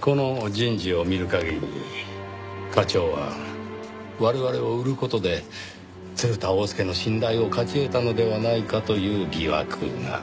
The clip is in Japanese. この人事を見る限り課長は我々を売る事で鶴田翁助の信頼を勝ち得たのではないかという疑惑が。